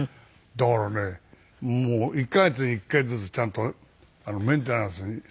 だからねもう１カ月に１回ずつちゃんとメンテナンスに掃除に行っているんですよ。